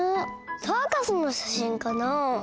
サーカスのしゃしんかなあ？